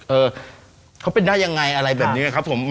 เออเขาเป็นได้ยังไงอะไรแบบนี้ครับผม